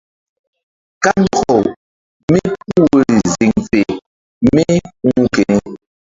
Kandɔkaw mípuh woyri ziŋ fe mí hu̧h keni.